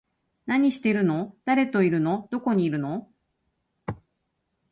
何してるの？誰といるの？どこにいるの？